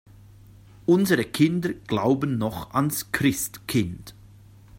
Unsere Kinder glauben noch ans Christkind.